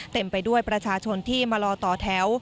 เต็มไปด้วยประชาชนที่มารอต่อแถว